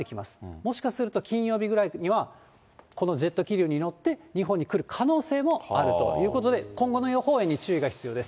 もしかすると、金曜日ぐらいには、このジェット気流に乗って、日本に来る可能性もあるということで、今後の予報円に注意が必要です。